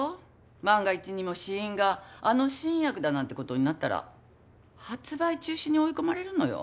万が一にも死因があの新薬だなんてことになったら発売中止に追い込まれるのよ。